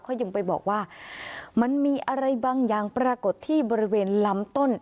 เขายังไปบอกว่ามันมีอะไรบางอย่างปรากฏที่บริเวณลำต้น